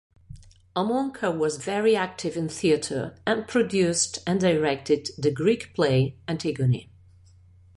Amonkar was Very active in theatre and produced and directed the Greek play "Antigone".